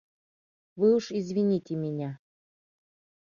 Вы уж извините меня.